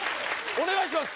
お願いします